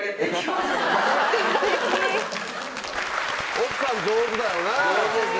奥さん上手だよね。